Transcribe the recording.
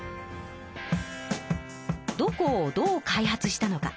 どこをどう開発したのか。